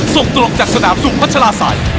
ส่งตรงจากสนามสูงพัชราสัย